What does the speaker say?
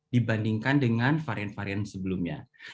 dibandingkan dengan varian varian sebelumnya